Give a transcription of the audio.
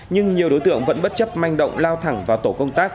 nhưng nhiều đối tượng vẫn bất chấp manh động lao thẳng vào tổ công tác